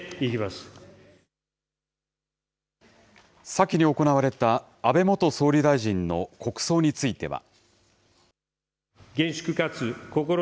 先に行われた安倍元総理大臣の国葬については。